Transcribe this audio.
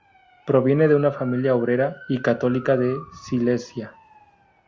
Proviene de una familia obrera y católica de Silesia.